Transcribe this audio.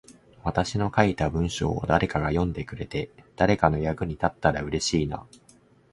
私の書いた文章を誰かが読んでくれて、誰かの役に立ったら嬉しいな。